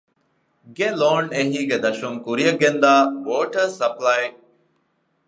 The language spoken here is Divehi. ގެ ލޯން އެހީގެ ދަށުން ކުރިއަށްގެންދާ ވޯޓަރ ސަޕްލައި،